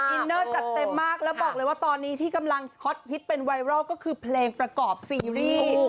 อินเนอร์จัดเต็มมากแล้วบอกเลยว่าตอนนี้ที่กำลังฮอตฮิตเป็นไวรัลก็คือเพลงประกอบซีรีส์